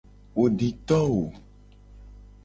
Wo di to wo.